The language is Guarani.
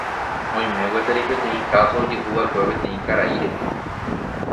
Oime gueteri peteĩ káso ojehuva'ekue peteĩ karai rehe.